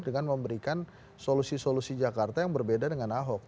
dengan memberikan solusi solusi jakarta yang berbeda dengan ahok